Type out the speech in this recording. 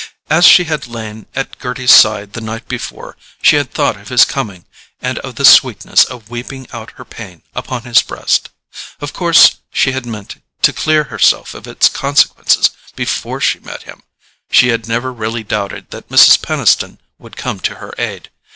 As she had lain at Gerty's side the night before, she had thought of his coming, and of the sweetness of weeping out her pain upon his breast. Of course she had meant to clear herself of its consequences before she met him—she had never really doubted that Mrs. Peniston would come to her aid.